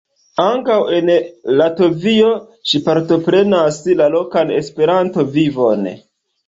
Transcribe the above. Ankaŭ en Latvio ŝi partoprenas la lokan Esperanto-vivon.